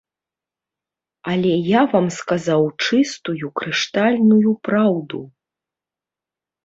Але я вам сказаў чыстую крыштальную праўду.